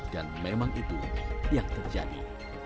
dan memang itu yang terjadi